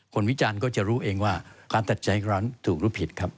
คนวิจารณ์ก็จะรู้เองว่าความตัดใจของเราถูกหรือผิดครับ